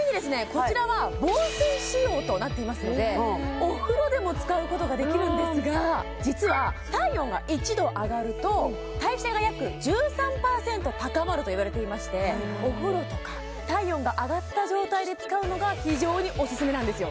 こちらは防水仕様となっていますのでお風呂でも使うことができるんですが実は体温が１℃上がると代謝が約１３％高まるといわれていましてお風呂とか体温が上がった状態で使うのが非常にオススメなんですよ